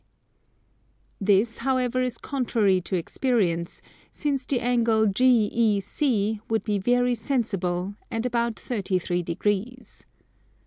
This, however, is contrary to experience, since the angle GEC would be very sensible, and about 33 degrees.